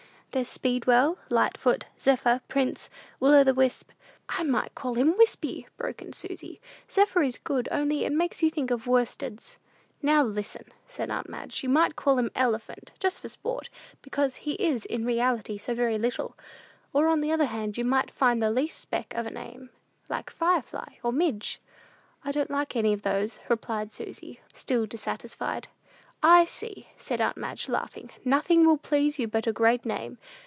"There's Speedwell, Lightfoot, Zephyr, Prince, Will o' the wisp " "I might call him Wispy," broke in Susy. "Zephyr is good, only it makes you think of worsteds." "Now, listen," said aunt Madge; "you might call him Elephant, just for sport, because he is in reality so very little. Or, on the other hand, you might find the least speck of a name, like Firefly, or Midge." "I don't like any of those," replied Susy, still dissatisfied. "I see," said aunt Madge, laughing, "nothing will please you but a great name.